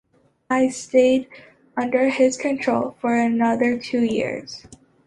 I stayed under his control for another two years.